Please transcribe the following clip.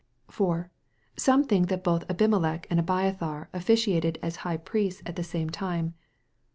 Some think that both Abimelech and Abiathar officiated as High Priests at the same time.